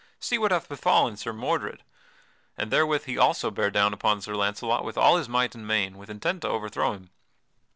see what hath befallen Sir Mordred!" And therewith he also bare down upon Sir Launcelot with all his might and main with intent to overthrow him.